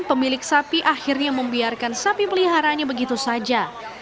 pemilik sapi akhirnya membiarkan sapi peliharanya begitu saja